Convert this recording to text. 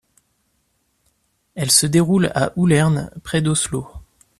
Elle se déroule à Ullern, près d'Oslo.